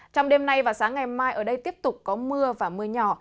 trong đêm nay và sáng ngày mai ở đây tiếp tục có mưa và mưa nhỏ